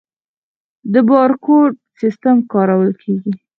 د بارکوډ سیستم کارول کیږي؟